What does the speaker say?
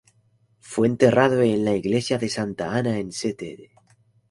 Fue enterrado en la Iglesia de Santa Ana en St.